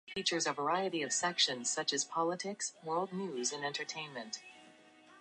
Instead, the Prime Minister of Malaysia, Tun Doctor Mahathir bin Mohamad, opened the games.